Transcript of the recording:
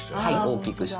大きくして。